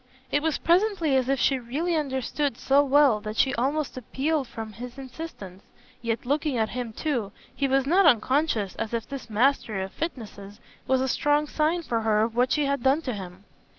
It was presently as if she really understood so well that she almost appealed from his insistence yet looking at him too, he was not unconscious, as if this mastery of fitnesses was a strong sign for her of what she had done to him.